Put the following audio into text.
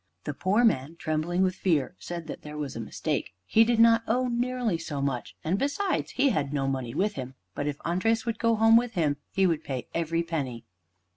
The poor man, trembling with fear, said that there was a mistake; he did not owe nearly so much, and besides, he had no money with him. But if Andres would go home with him he would pay every penny.